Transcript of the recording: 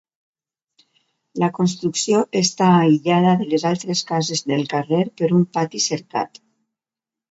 La construcció està aïllada de les altres cases del carrer per un pati cercat.